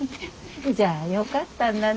じゃあよかったんだね